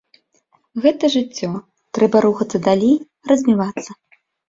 Гэта жыццё, трэба рухацца далей, развівацца.